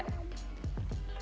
dan juga cantumkan di bio anda